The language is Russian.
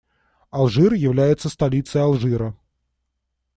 Алжир является столицей Алжира.